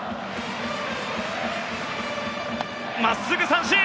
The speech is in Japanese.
真っすぐ、三振！